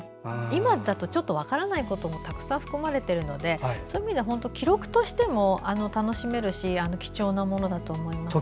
今だと分からないこともたくさん含まれているのでそういう意味では記録としても楽しめるし貴重なものだと思います。